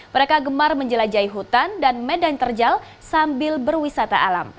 mereka gemar menjelajahi hutan dan medan terjal sambil berwisata alam